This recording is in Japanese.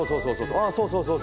あっそうそうそう。